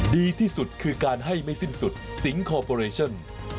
ดีที่สุดคือการให้ไม่สิ้นสุดสิงคอร์ปอเรชั่น